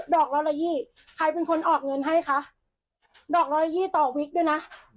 ดอกละละยี่ใครเป็นคนออกเงินให้คะดอกละละยี่ต่อวิทย์ด้วยน่ะ